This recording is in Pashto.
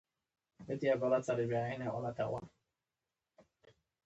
د بانکونو تړل سوداګري فلج کوي.